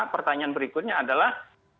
pertanyaan berikutnya adalah